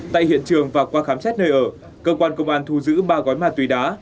tại hiện trường và qua khám xét nơi ở cơ quan công an thu giữ ba gói ma túy đá